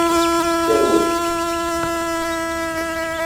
Serwet.